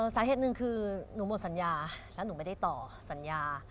สาเหตุหนึ่งคือหนูหมดสัญญาแล้วหนูไม่ได้ต่อสัญญา